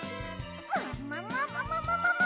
ももももももももも！